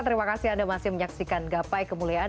terima kasih anda masih menyaksikan gapai kemuliaan